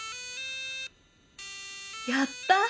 やった！